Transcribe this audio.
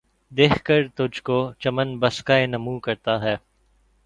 دیکھ کر تجھ کو ، چمن بسکہ نُمو کرتا ہے